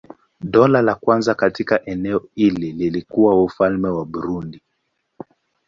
Dola la kwanza katika eneo hili lilikuwa Ufalme wa Burundi.